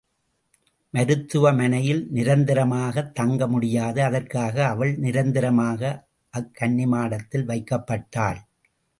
மருத்துவ மனையில் நிரந்தரமாகத் தங்க முடியாது அதற்காக அவள் நிரந்தரமாக அக்கன்னிமாடத்தில் வைக்கப்பட்டாள்.